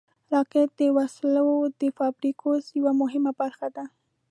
راکټ د وسلو د فابریکو یوه مهمه برخه ده